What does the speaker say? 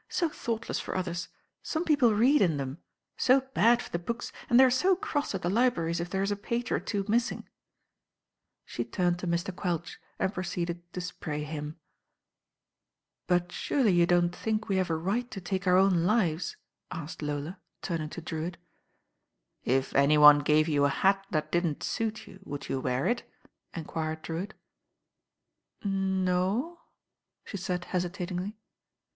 So thoughtless for others. Some people read in them. So bad for the books, and they are so cross at the libraries if there is a page or two missing." She turned to Mr. Quelch and proceeded to spray him. THE NINE DAYS ENDED "But lurely you don't think we have • right to tike our own Uvei?" «ked Lola, turning to Drcwitt. If any one gave you a hat that didn't suit you, would you wear it?" enquired Drewitt. Noooooo," the said hesitatingly.